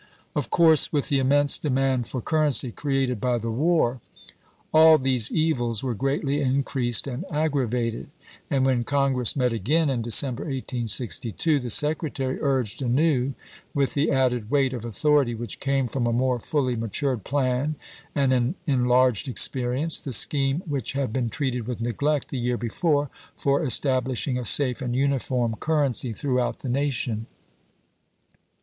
Of course, with the immense demand for currency created by the war, all these evils were greatly increased and aggravated, and when Con gi'ess met again in December, 1862, the Secretary urged anew, with the added weight of authority which came from a more fully matured plan and an enlarged experience, the scheme, which had been treated with neglect the year before, for es tablishing a safe and uniform currency throughout the nation.